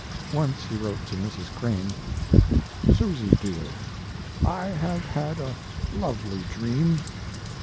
Once he wrote to Mrs. Crane: SUSY DEAR, I have had a lovely dream.